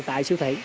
tại siêu thị